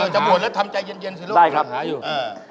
จะบ่นแล้วทำใจเย็นซิลูก